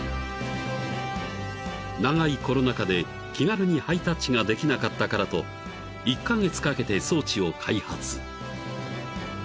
［長いコロナ禍で気軽にハイタッチができなかったからと１カ月かけて装置を開発］